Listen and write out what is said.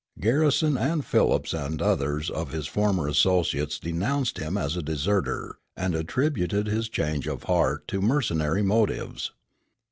Garrison and Phillips and others of his former associates denounced him as a deserter, and attributed his change of heart to mercenary motives.